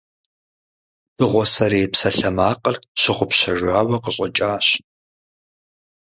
Дыгъуасэрей псалъэмакъыр щыгъупщэжауэ къыщӏэкӏащ.